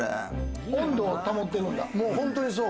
温度を保ってるんだ。